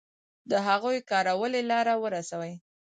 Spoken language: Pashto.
د هغوی کارولې لاره ورسوي.